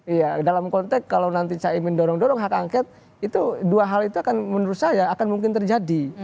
iya dalam konteks kalau nanti caimin dorong dorong hak angket itu dua hal itu akan menurut saya akan mungkin terjadi